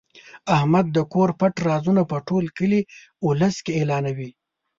احمد د کور پټ رازونه په ټول کلي اولس کې اعلانوي.